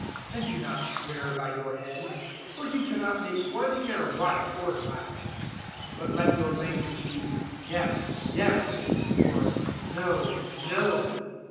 005:036 And do not swear by your head, for you cannot make one hair white or black. 005:037 But let your language be, `Yes, yes,' or `No, no.'